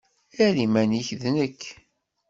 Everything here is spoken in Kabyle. Err iman-ik d nekk.